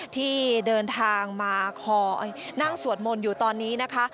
ที่เดินทางมาคอยนั่งสวดมนต์อยู่ตอนนี้นะคะ